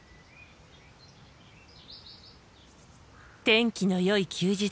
天気のよい休日。